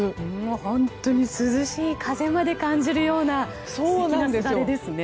本当に涼しい風まで感じるような素敵なすだれですね。